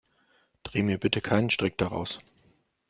Dreh mir bitte keinen Strick daraus.